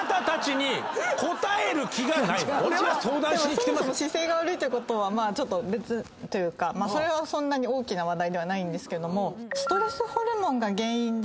そもそも姿勢が悪いっていうことは別というかそれはそんなに大きな話題ではないんですけども。